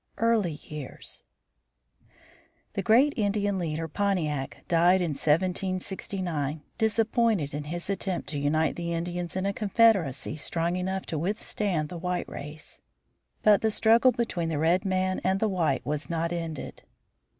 EARLY YEARS The great Indian leader, Pontiac, died in 1769, disappointed in his attempt to unite the Indians in a confederacy strong enough to withstand the white race. But the struggle between the red man and the white was not ended.